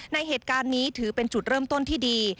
ในเหตุการณ์นี้ถือเป็นจุดเริ่มต้นที่ดี